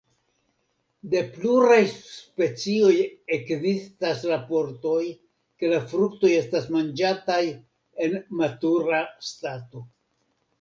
De pluraj specioj ekzistas raportoj, ke la fruktoj estas manĝataj en matura stato.